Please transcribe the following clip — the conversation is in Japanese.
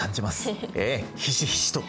ええひしひしと。